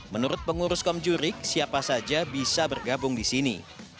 menurut pengurus komjurik siapa saja bisa bergabung di sini